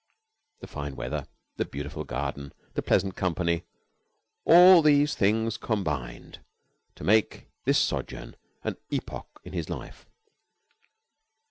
The fine weather, the beautiful garden, the pleasant company all these things combined to make this sojourn an epoch in his life.